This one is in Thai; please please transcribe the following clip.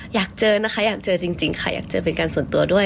อยากเจอนะคะอยากเจอจริงค่ะอยากเจอเป็นการส่วนตัวด้วย